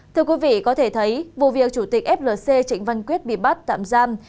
thưa quý vị có thể thấy vụ việc chủ tịch flc trịnh văn quyết bị bắt tạm giam